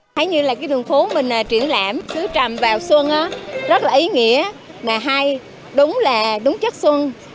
thấy như là cái đường phố mình triển lãm sứ trầm vào xuân rất là ý nghĩa mà hay đúng là đúng chất xuân